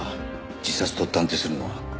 自殺と断定するのは。